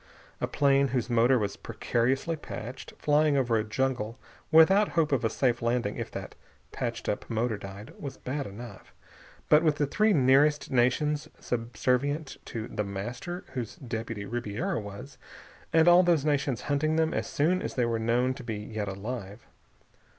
A plane whose motor was precariously patched, flying over a jungle without hope of a safe landing if that patched up motor died, was bad enough. But with the three nearest nations subservient to The Master, whose deputy Ribiera was, and all those nations hunting them as soon as they were known to be yet alive....